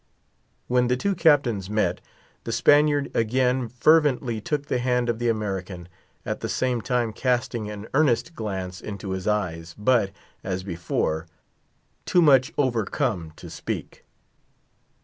When the two captains met, the Spaniard again fervently took the hand of the American, at the same time casting an earnest glance into his eyes, but, as before, too much overcome to speak.